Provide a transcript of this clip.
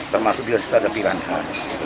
termasuk dianstal ada piranha